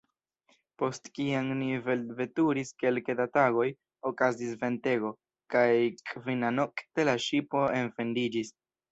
Post kiam ni velveturis kelke da tagoj, okazis ventego, kaj kvinanokte la ŝipo enfendiĝis.